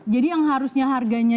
jadi yang harusnya harganya